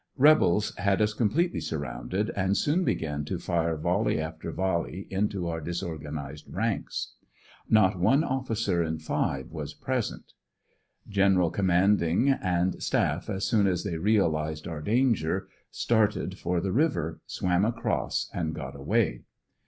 Rebels had us completely surrounded and soon began to fire voUe}^ after volley into our disorganized ranks. Not one officer in five was present; Gen. commanding and staff as soon as they realized our danger, 10 ANBERSONYILLE DIABY. started for the river, swam across and got away.